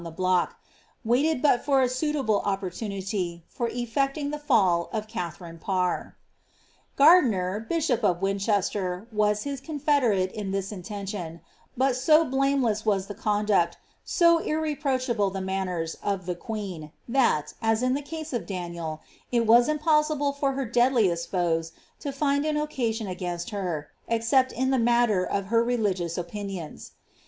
51 the block, waited but for a suitable opportunity, for efiectingf the fall of Katharine Parr. Gardiner, bishop of Winchester, was his confederate in this intention; but so blameless was the conduct, so irreproachable the manners, of the queen, that, as in the case of Daniel, it was impossible for her deadliest foes to find an occasion against her, except in the matter of her religious opinions.